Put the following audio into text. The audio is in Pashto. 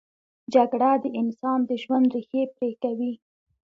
جګړه د انسان د ژوند ریښې پرې کوي